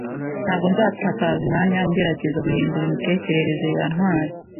Ntabwo nzatakaza umwanya ngerageza guhindura imitekerereze ya Ntwali.